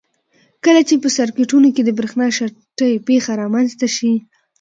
کله چې په سرکټونو کې د برېښنا شارټۍ پېښه رامنځته شي.